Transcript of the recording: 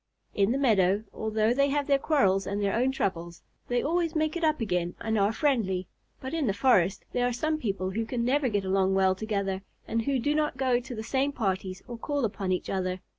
In the meadow, although they have their quarrels and their own troubles, they always make it up again and are friendly, but in the forest there are some people who can never get along well together, and who do not go to the same parties or call upon each other.